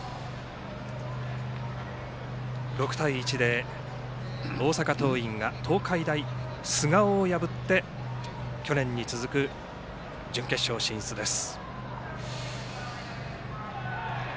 ６対１で大阪桐蔭が東海大菅生を破って去年に続く準決勝進出です。